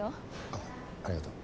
ああありがとう。